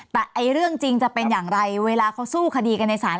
แต่เรื่องจริงจะเป็นอย่างไรเวลาเขาสู้คดีกันในศาล